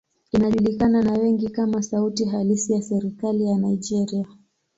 Inajulikana na wengi kama sauti halisi ya serikali ya Nigeria.